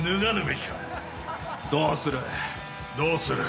どうする？